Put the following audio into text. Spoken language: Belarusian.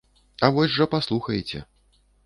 А вось жа паслухаеце.